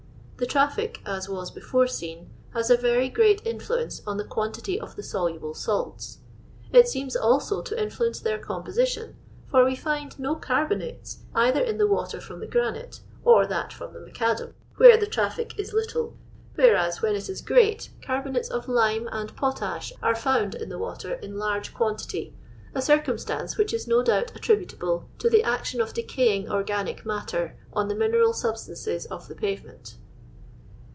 *' The traffic, as was before seen, has a very great influence on the quantity of the soluble salts. It seems also to influence their composi tion, for we find no carbonates either in the water from the granite, or that from the macadam, where LONDON LABOUR AND THB LONDON POOR. the traffic i« little; whereat, when it is great, carbonatea of lime and potaih are found in the water in large quantity, a circumstance which is no doubt attributable to the action of decaying organic matter on the mineral subttances of the paTement.